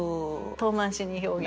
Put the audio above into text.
遠回しに表現。